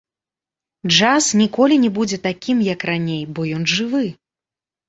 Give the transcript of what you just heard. Джаз ніколі не будзе такім, як раней, бо ён жывы.